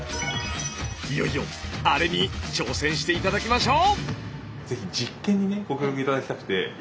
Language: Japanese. いよいよあれに挑戦して頂きましょう！